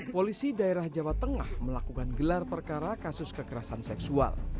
polisi daerah jawa tengah melakukan gelar perkara kasus kekerasan seksual